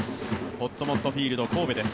ほっともっとフィールド神戸です。